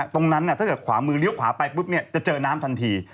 ตรงนั้นน่ะถ้าเกิดขวามือริ้วขวาไปจะเจอน้ำทันที